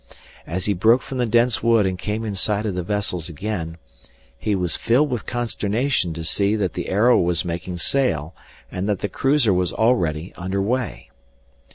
As he broke from the dense wood and came in sight of the vessels again, he was filled with consternation to see that the Arrow was making sail and that the cruiser was already under way.